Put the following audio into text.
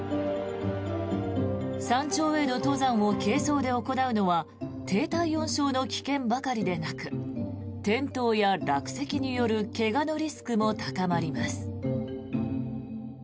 山頂への登山を軽装で行うのは低体温症の危険ばかりでなく転倒や落石による怪我のリスクも高まります。